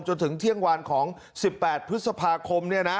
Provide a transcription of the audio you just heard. จนถึงเที่ยงวานของ๑๘พฤษภาคม